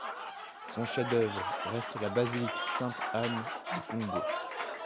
Son chef-d'œuvre reste la basilique Sainte-Anne du Congo.